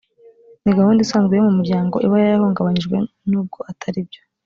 ni gahunda isanzwe yo mu muryango iba yarahungabanyijwe n ubwo atari byo